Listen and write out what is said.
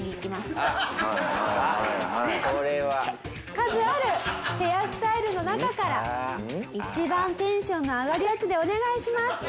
数あるヘアスタイルの中から「一番テンションが上がるやつでお願いします！」